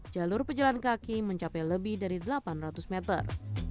jalur pejalan kaki mencapai lebih dari delapan ratus meter